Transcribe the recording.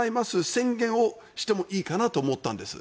宣言をしてもいいかなと思ったんです。